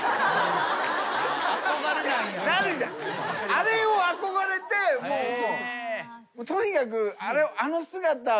あれを憧れてもうとにかく。